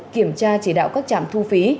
kiểm tra chỉ đạo các trạm thu phí